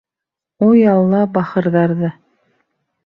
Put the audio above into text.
— Уй Алла, бахырҙарҙы!